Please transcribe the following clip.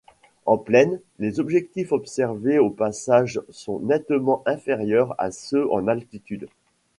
En plaine, les effectifs observés au passage sont nettement inférieurs à ceux en altitude.